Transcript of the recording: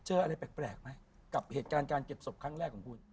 เจออะไรแปลกไหมกับเหตุการณ์การเก็บศพครั้งแรกของคุณ